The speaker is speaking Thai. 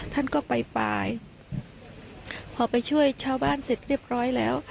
ท่านก็ไปปลายพอไปช่วยชาวบ้านเสร็จเรียบร้อยแล้ว